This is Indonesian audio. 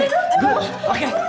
si kimu udah datang